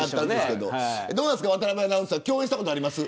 どうですか、渡邊アナウンサー共演したことありますか。